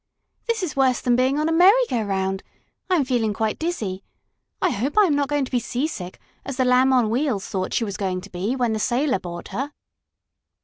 "This is worse than being on a merry go round! I am feeling quite dizzy! I hope I am not going to be seasick, as the Lamb on Wheels thought she was going to be when the sailor bought her."